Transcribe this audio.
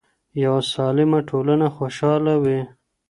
يوه سالمه ټولنه خوشحاله وي.